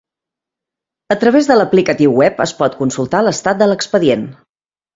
A través de l'aplicatiu web es pot consultar l'estat de l'expedient.